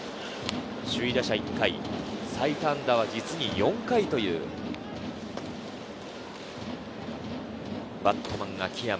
首位打者１回、最多安打は実に４回というバットマン、秋山。